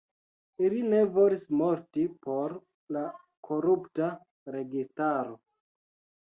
Ili ne volis morti por la korupta registaro.